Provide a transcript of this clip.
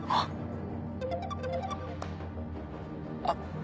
あっ。